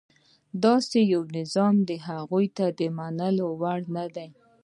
داسې یو نظام هغوی ته د منلو وړ نه دی.